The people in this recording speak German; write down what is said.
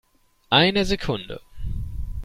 Eine Sekunde!